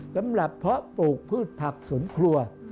สำหรับเพราะปลูกพืชผักสวงครัว